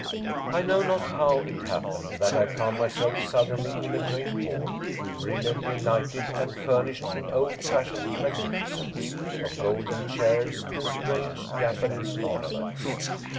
I know not how it happened that I found myself sud denly in a great hall brilliantly lighted and furnished in old fashioned magnificence of golden chairs and strange Japanese ornaments.